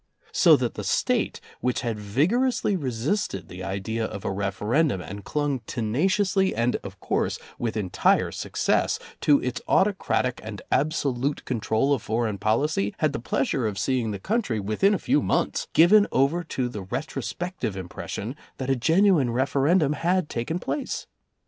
So that the State, which had vigorously resisted the idea of a referendum and clung tenaciously and, of course, with entire success to its autocratic and absolute control of foreign policy, had the pleasure of seeing the country, within a few months, given over to the retrospective impression that a genuine referendum had taken place.